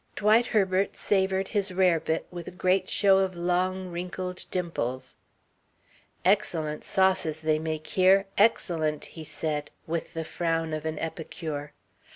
Dwight Herbert savoured his rarebit with a great show of long wrinkled dimples. "Excellent sauces they make here excellent," he said, with the frown of an epicure.